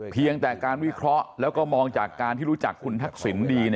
เพียงแต่การวิเคราะห์แล้วก็มองจากการที่รู้จักคุณทักษิณดี